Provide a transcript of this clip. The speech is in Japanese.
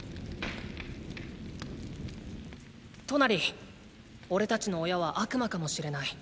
トナリおれたちの親は悪魔かもしれない。